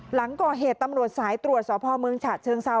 หลังก่อเหตุตำรวจสายตรวจสพเมืองฉะเชิงเซา